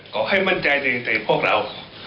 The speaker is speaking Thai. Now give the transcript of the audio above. ขอให้มั่นใจในพวกเรา